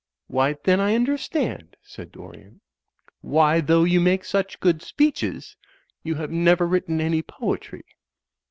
"Why, then I tinderstand," said Dorian, "why, though you make such good speeches, you have never written any poetry."